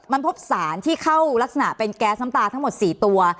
มันพบสารที่เข้ารักษณะเป็นแก๊สน้ำตาทั้งหมด๔ตัว